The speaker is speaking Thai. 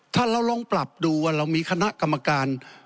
ถ้าเราลองปรับดูว่าเรามีคณะกรรมการ